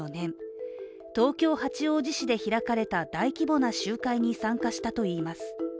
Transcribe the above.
東京・八王子市で開かれた大規模な集会に参加したといいます。